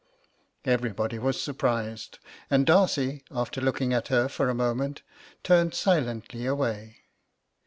'Everybody was surprised, and Darcy, after looking at her for a moment, turned silently away.